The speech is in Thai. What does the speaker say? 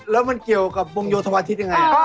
แล้วก็ใช่ทักษะที่สดี